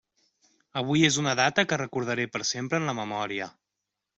Avui és una data que recordaré per sempre en la memòria.